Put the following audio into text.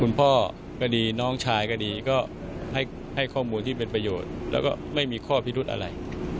คุณพ่อก็ดีน้องชายก็ดีก็ให้ข้อมูลที่เป็นประโยชน์แล้วก็ไม่มีข้อพิรุธอะไร